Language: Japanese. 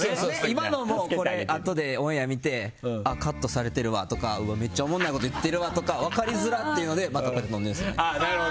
今のもあとでオンエア見てカットされてるわとかめっちゃおもんないこと言ってるわとか分かりづらいっていうのでまた飲んでるんですよね。